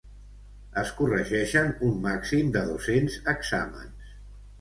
Es corregeixen un màxim de dos-cents exàmens.